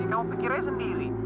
ya kamu pikir aja sendiri